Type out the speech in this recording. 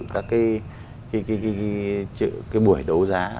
cái buổi đô giá